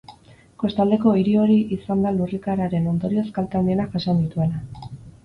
Kostaldeko hiri hori izan da lurrikararen ondorioz kalte handienak jasan dituena.